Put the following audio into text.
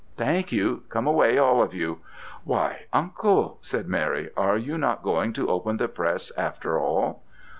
'Thank you. Come away, all of you.' 'Why, Uncle,' said Mary, 'are you not going to open the press after all?'